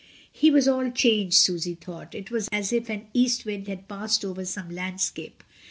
He was all changed, Susy thought. It was as if an east wind had passed over some landscape.